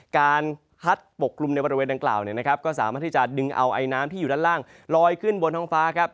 การพัดปกกลุ่มในบริเวณดังกล่าวก็สามารถที่จะดึงเอาไอน้ำที่อยู่ด้านล่างลอยขึ้นบนท้องฟ้าครับ